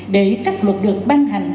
để các luật được ban hành